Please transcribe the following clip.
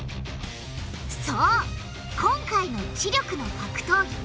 そう今回の知力の格闘技。